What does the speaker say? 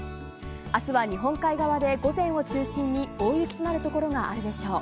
あすは日本海側で午前を中心に大雪となる所があるでしょう。